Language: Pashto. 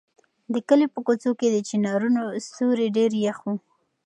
د کلي په کوڅو کې د چنارونو سیوري ډېر یخ وو.